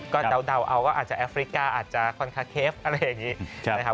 ก็เดาเอาก็อาจจะแอฟริกาอาจจะคอนคาเคฟอะไรอย่างนี้นะครับ